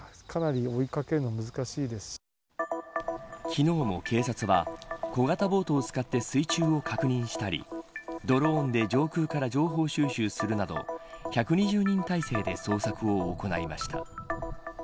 昨日も警察は小型ボートを使って水中を確認したりドローンで上空から情報収集するなど１２０人態勢で捜索を行いました。